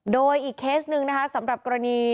โดยอีกเคสหนึ่งนะคะสำหรับกรณี